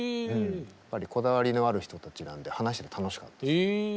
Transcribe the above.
やっぱりこだわりのある人たちなんで話してて楽しかったです。